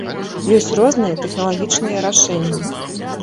Ёсць розныя тэхналагічныя рашэнні.